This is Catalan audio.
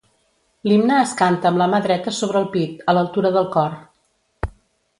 L'himne es canta amb la mà dreta sobre el pit, a l'altura del cor.